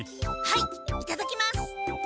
はいいただきます！